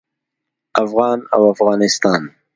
افغان او افغانستان